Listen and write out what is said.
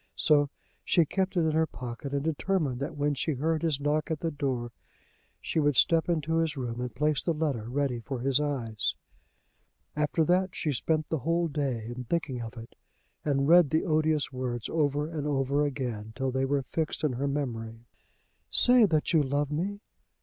So she kept it in her pocket, and determined that when she heard his knock at the door she would step into his room, and place the letter ready for his eyes. After that she spent the whole day in thinking of it, and read the odious words over and over again till they were fixed in her memory. "Say that you love me!"